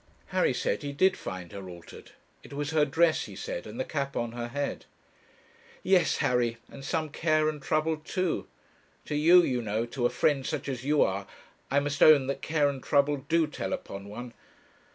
Harry said he did find her altered. It was her dress, he said, and the cap on her head. 'Yes, Harry; and some care and trouble too. To you, you know, to a friend such as you are, I must own that care and trouble do tell upon one.